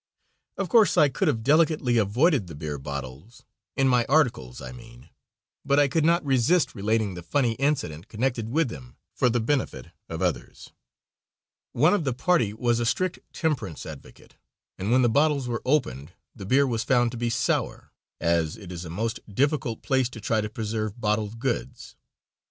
Of course, I could have delicately avoided the beer bottles (in my articles I mean), but I could not resist relating the funny incident connected with them for the benefit of others. One of the party was a strict temperance advocate, and when the bottles were opened the beer was found to be sour, as it is a most difficult place to try to preserve bottled goods.